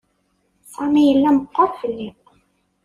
Sami yella meqqer fell-i.